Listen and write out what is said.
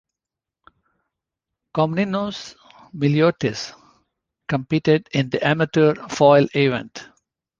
Komninos-Miliotis competed in the amateur foil event.